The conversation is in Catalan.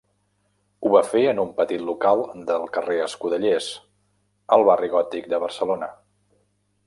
Ho va fer en un petit local del carrer Escudellers, al Barri Gòtic de Barcelona.